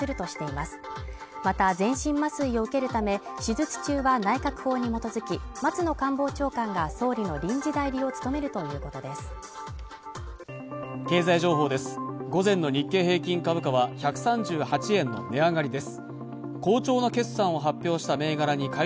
また全身麻酔を受けるため手術中は内閣法に基づき松野官房長官が総理の臨時代理を務めるということです